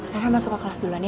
rara masuk ke kelas duluan ya